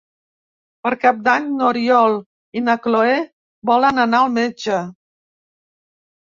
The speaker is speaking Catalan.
Per Cap d'Any n'Oriol i na Cloè volen anar al metge.